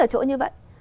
ở chỗ như vậy